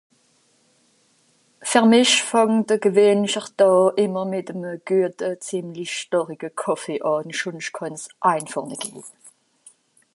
ver mìsch fàngt a gewähnlicher Daa ìmmer mìt'm a guete zìmlich storige Kaffee àn schonscht kànn's einfàch nìt gehn